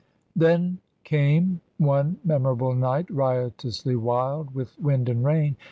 Then came one memorable night, riotously wild with wind and rain.